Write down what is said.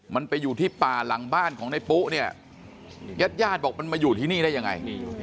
มันไปอยู่ที่ป่าหลังบ้านของในปุ๊เนี่ยญาติญาติบอกมันมาอยู่ที่นี่ได้ยังไง